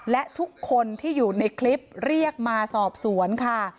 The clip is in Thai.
และทุกคนที่อยู่ในคลิปเรียกมาสอบสวนค่ะ